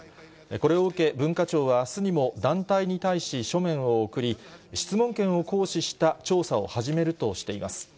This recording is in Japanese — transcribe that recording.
これを受け、文化庁はあすにも、団体に対し書面を送り、質問権を行使した調査を始めるとしています。